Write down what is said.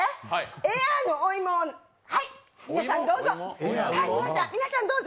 エアのお芋を、皆さんどうぞ。